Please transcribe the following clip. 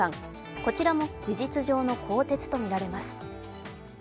こちらも事実上の更迭とみられます。